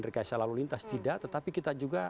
rekayasa lalu lintas tidak tetapi kita juga